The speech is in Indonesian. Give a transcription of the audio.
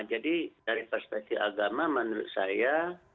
jadi dari perspektif agama menurut saya